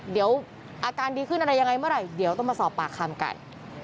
เดี๋ยวอาการดีขึ้นอะไรยังไงเมื่อไหร่เดี๋ยวต้องมาสอบปากคำกัน